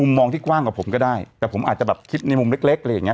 มองที่กว้างกว่าผมก็ได้แต่ผมอาจจะแบบคิดในมุมเล็กเล็กอะไรอย่างเง